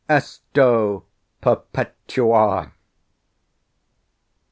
Esto perpetua!